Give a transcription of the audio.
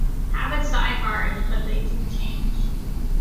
Habits die hard, but they do change.